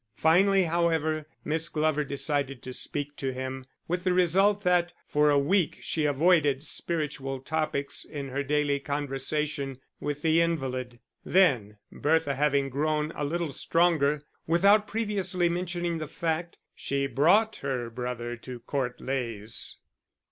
Finally, however, Miss Glover decided to speak to him, with the result that, for a week she avoided spiritual topics in her daily conversation with the invalid; then, Bertha having grown a little stronger, without previously mentioning the fact, she brought her brother to Court Leys.